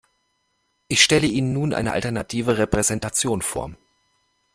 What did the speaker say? Ich stelle Ihnen nun eine alternative Repräsentation vor.